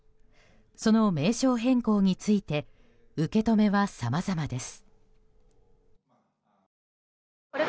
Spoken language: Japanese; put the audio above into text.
その名称変更について受け止めは、さまざまです。